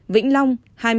vĩnh long hai mươi năm